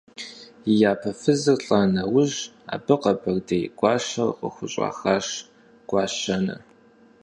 И япэ фызыр лӀа нэужь, абы къэбэрдей гуащэр къыхущӀахащ – Гуащэнэ.